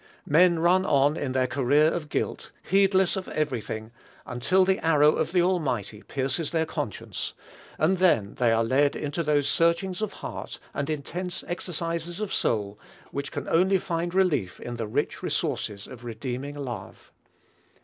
Men run on in their career of guilt, heedless of every thing, until the arrow of the Almighty pierces their conscience, and then they are led into those searchings of heart, and intense exercises of soul, which can only find relief in the rich resources of redeeming love.